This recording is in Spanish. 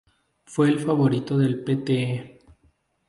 Fue favorito del Pte.